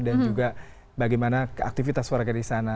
dan juga bagaimana aktivitas warga di sana